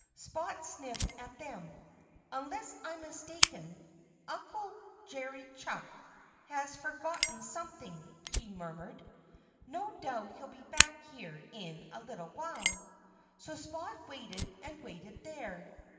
Spot sniffed at them. "Unless I'm mistaken, Uncle Jerry Chuck has forgotten something," he murmured. "No doubt he'll be back here in a little while." So Spot waited and waited there.